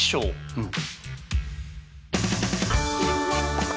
うん。